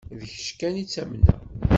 D kečč kan i ttamneɣ.